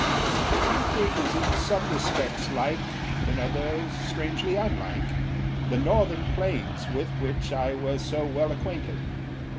The country was in some respects like, in others strangely unlike, the northern plains with which I was so well acquainted.